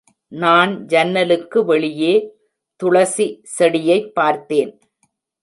நான் ஜன்னலுக்கு வெளியே துளசி செடியைப் பார்த்தேன்.